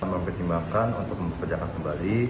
mempertimbangkan untuk mempekerjakan kembali